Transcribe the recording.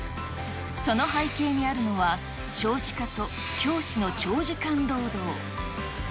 その背景にあるのは、少子化と教師の長時間労働。